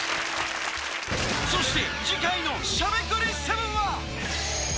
そして次回のしゃべくり００７は。